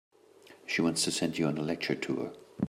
She wants to send you on a lecture tour.